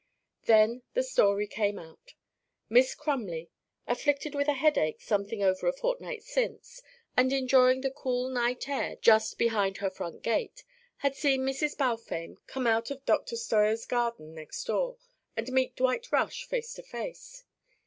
Then the story came out: Miss Crumley, afflicted with a headache something over a fortnight since, and enjoying the cool night air just behind her front gate, had seen Mrs. Balfame come out of Dr. Steuer's garden next door and meet Dwight Rush face to face.